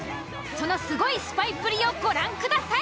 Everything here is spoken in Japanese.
そのスゴいスパイっぷりをご覧ください。